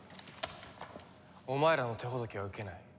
お前らの手ほどきは受けない。